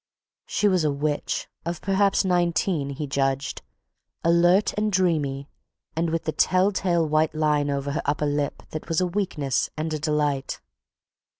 She was a witch, of perhaps nineteen, he judged, alert and dreamy and with the tell tale white line over her upper lip that was a weakness and a delight.